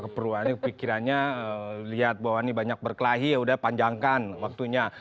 kebaruannya pikirannya lihat bahwa ini banyak berkelahi ya udah panjangkan waktunya